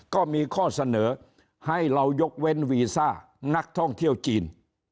ก็มีข้อเสนอให้เรายกเว้นวีซ่านักท่องเที่ยวจีน